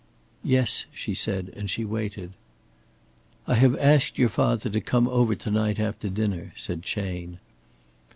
"Yes," she said, and she waited. "I have asked your father to come over to night after dinner," said Chayne.